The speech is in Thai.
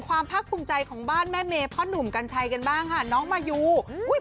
ภาคภูมิใจของบ้านแม่เมย์พ่อหนุ่มกัญชัยกันบ้างค่ะน้องมายูอุ้ย